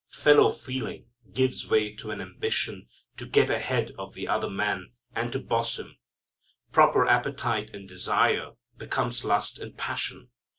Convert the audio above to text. Fellow feeling gives way to an ambition to get ahead of the other man and to boss him. Proper appetite and desire become lust and passion.